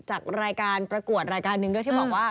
จากรายการประกวดกับรายการหนึ่งด้วย